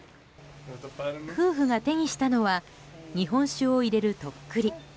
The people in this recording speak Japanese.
夫婦が手にしたのは日本酒を入れる、とっくり。